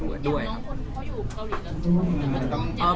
อย่างน้องคุณเขาอยู่เกาหลีแล้ว